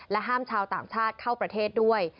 ห้ามชาวต่างชาติเข้าประเทศด้วย